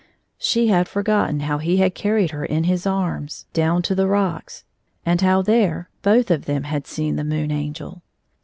She had forgotten how he had carried her in his arms 177 down to the rocks^ and how there hoth of Hiem had seen the Moon Angel.